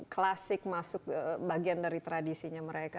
klasik masuk bagian dari tradisinya mereka